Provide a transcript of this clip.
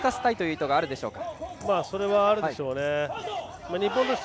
それはあるでしょうね。